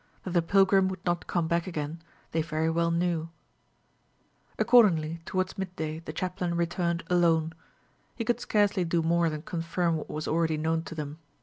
That the pilgrim would not come back again, they very well knew. Accordingly towards mid day the chaplain returned alone. He could scarcely do more than confirm what was already known to them.